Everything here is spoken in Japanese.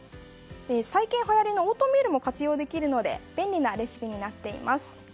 最近、はやりのオートミールも活用できるので便利なレシピになっています。